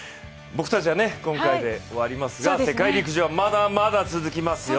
僕たちは今回で終わりますが世界陸上はまだまだ続きますよ。